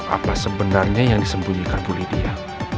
apa sebenarnya yang disembunyikan bu lidia